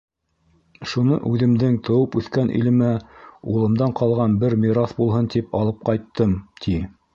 Шуны үҙемдең тыуып-үҫкән илемә улымдан ҡалған бер мираҫ булһын тип алып ҡайттым, ти.